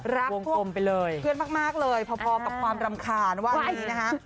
รักเพื่อนมากเลยพอกับความรำคาญวันนี้นะครับ